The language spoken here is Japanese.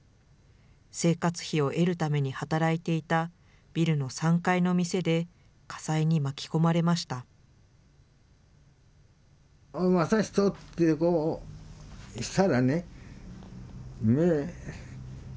生活費を得るために働いていたビルの３階の店で火災に巻き込まれました。